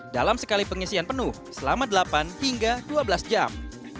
dalam sekali pengisian penuh selama delapan hingga dua belas jam